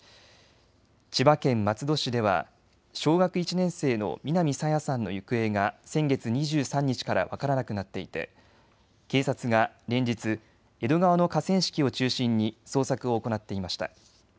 千葉県松戸市では小学１年生の南朝芽さんの行方が先月２３日から分からなくなっていて警察が連日、江戸川の河川敷を中心に捜索を行っていました。